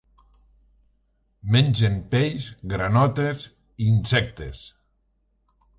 Mengen peix, granotes i insectes.